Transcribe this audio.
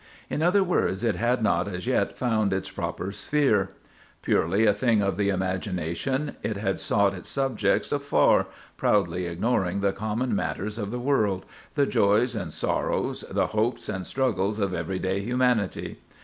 In other words, it had not as yet found its proper sphere. Purely a thing of the imagination, it had sought its subjects afar, proudly ignoring the common matters of the world—the joys and sorrows, the hopes and struggles of every day humanity.